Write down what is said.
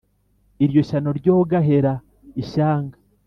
iryo shyano ryogahera ishyanga